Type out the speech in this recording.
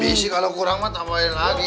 kondisi kalau kurang mah tambahin lagi